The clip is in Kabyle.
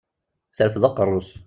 Terfed aqerru-s.